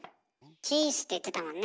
「チーッス」って言ってたもんね。